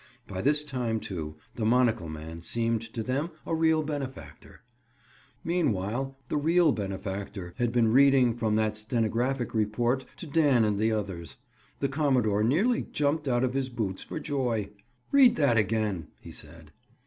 By this time, too, the monocle man seemed to them a real benefactor. Meanwhile the "real benefactor" had been reading from that stenographic report to Dan and the others. The commodore nearly jumped out of his boots for joy. "Read that again," he said.